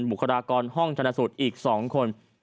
บุคลากรห้องธนสุทธิ์อีก๒คน